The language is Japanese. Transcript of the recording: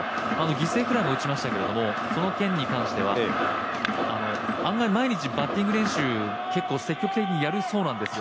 犠牲フライ打ちましたけどその件に関しては、案外、毎日バッティング練習結構しているそうなんですよ。